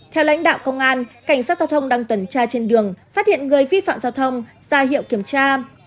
theo lãnh đạo công an cảnh sát giao thông đang tuần tra trên đường phát hiện người vi phạm giao thông ra hiệu kiểm tra